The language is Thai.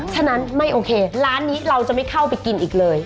ฉะนั้นไม่โอเคร้านนี้เราจะไม่เข้าไปกินอีกเลย